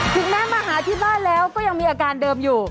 แม้มาหาที่บ้านแล้วก็ยังมีอาการเดิมอยู่